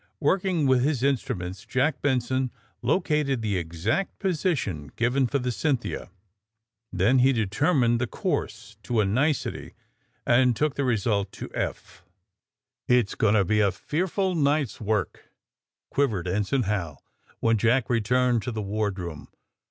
Working with his instruments Jack Benson lo AND THE SMUGGLEES 113 cated the exact position given for the '* Cyn thia,'' Then he determined the course to a nicety, and took the result to Eph. ^^It's going to be a fearful night ^s work!'' quivered Ensign Hal, when Jack returned to the wardroom.